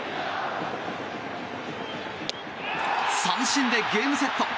三振でゲームセット！